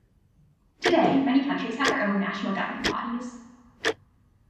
Today, many countries have their own national governing bodies.